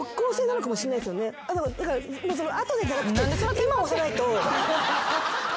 あのだから後でじゃなくて今押さないと。